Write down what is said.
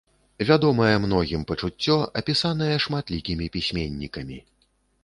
Вядомае многім пачуццё, апісанае шматлікімі пісьменнікамі.